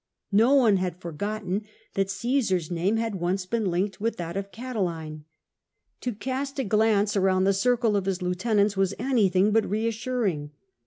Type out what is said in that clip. No one had for gotten that Caesar's name had once been linked with that of Catiline. To cast a glance around the circle of his lieutenants was anything but reassuring.